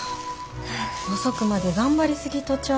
遅くまで頑張り過ぎとちゃう？